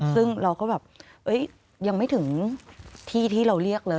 ซึ่งเราก็แบบยังไม่ถึงที่ที่เราเรียกเลย